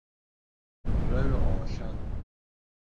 Жәаҩа ҟалахьан.